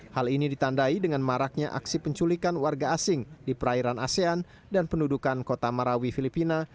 hal ini ditandai dengan maraknya aksi penculikan warga asing di perairan asean dan pendudukan kota marawi filipina